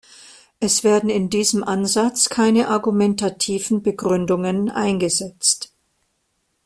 Es werden in diesem Ansatz keine argumentativen Begründungen eingesetzt.